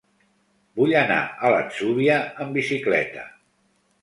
Vull anar a l'Atzúbia amb bicicleta.